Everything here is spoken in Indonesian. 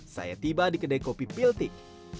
saya tiba di kedai kopi piltik